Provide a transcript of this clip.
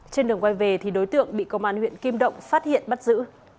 trên đường quay về thì đối tượng bị công an huyện kim động phát hiện bắt giữ